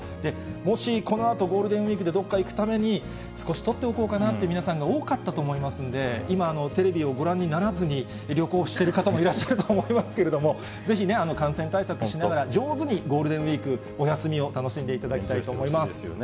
もしこのあとゴールデンウィークでどっか行くために、少し取っておこうかなっていう皆さんが多かったと思いますので、今、テレビをご覧にならずに旅行してる方もいらっしゃると思いますけれども、ぜひね、感染対策しながら、上手にゴールデンウィーク、お休みを楽しんでいただきたいと思います。